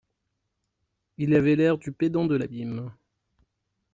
Il avait l’air du pédant de l’abîme.